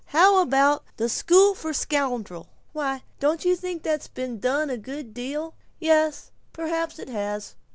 How about 'The School for Scandal'?" "Why Don't you think that has been done a good deal?" "Yes, perhaps it has."